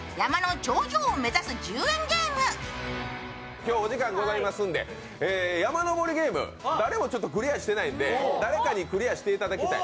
今日お時間ございますんで「山のぼりゲーム」、誰もクリアしていないので、誰かにクリアしていただきたい。